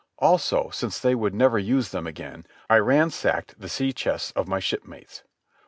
Also, since they would never use them again, I ransacked the sea chests of my shipmates.